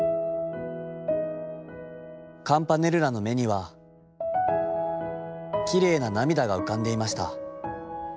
カムパネルラの眼にはきれいな涙が浮かんでゐました。